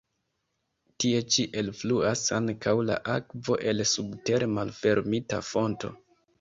Tie ĉi elfluas ankaŭ la akvo el subtere malfermita fonto.